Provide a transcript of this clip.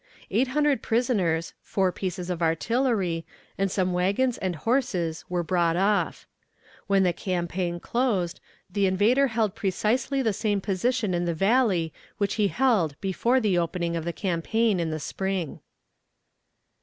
Eight hundred prisoners, four pieces of artillery, and some wagons and horses were brought off. When the campaign closed, the invader held precisely the same position in the Valley which he held before the opening of the campaign in the spring.